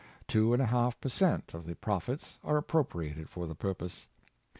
Two and a half per cent, of the profits are appropriated for the purpose.